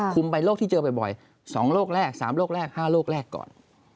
ไปโรคที่เจอบ่อย๒โรคแรก๓โรคแรก๕โรคแรกก่อน